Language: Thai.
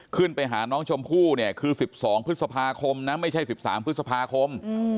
ขึ้นไปหาน้องชมพู่เนี่ยคือ๑๒พฤษภาคมนะไม่ใช่๑๓พฤษภาคม